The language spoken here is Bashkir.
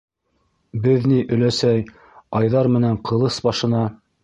- Беҙ ни, өләсәй, Айҙар менән Ҡылыс башына...